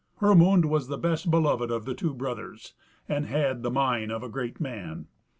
Hermund was the best beloved of the two brothers, and had the mien of a great man.